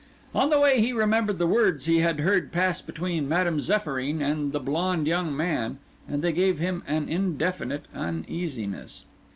On the way he remembered the words he had heard pass between Madame Zéphyrine and the blond young man, and they gave him an indefinite uneasiness.